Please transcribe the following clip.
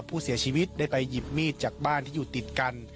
ผู้เสียชีวิตได้ไปหยิบมีดจากบ้านที่อยู่ติดกัน